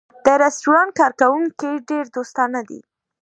د رستورانت کارکوونکی ډېر دوستانه دی.